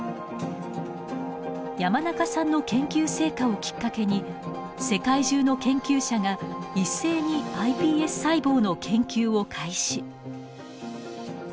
山中さんの研究成果をきっかけに世界中の研究者が一斉にｉＰＳ細胞の研究を開始。